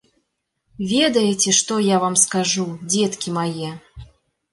Ведаеце, што я вам скажу, дзеткі мае?